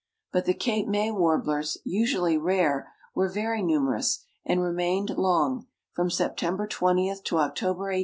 But the Cape May warblers, usually rare, were very numerous, and remained long from September 20 to October 18.